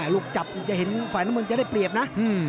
ลูกจับจะเห็นฝ่ายน้ำเงินจะได้เปรียบนะ